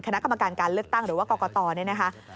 คณะกรรมการการเลือกตั้งหรือว่ากรกตเนี่ยนะคะ